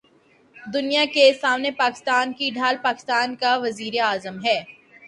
دنیا کے سامنے پاکستان کی ڈھال پاکستان کا وزیراعظم ہے۔